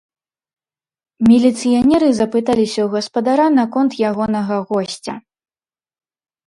Міліцыянеры запыталіся ў гаспадара наконт ягонага госця.